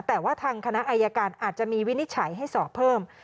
แต่ว่าทางคณะอายการอาจจะมีวินิจฉัยให้สอบเพิ่ม